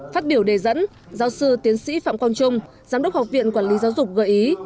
phát biểu đề dẫn giáo sư tiến sĩ phạm quang trung giám đốc học viện quản lý giáo dục gợi ý